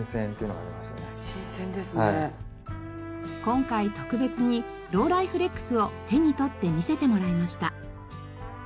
今回特別にローライフレックスを手に取って見せてもらいました。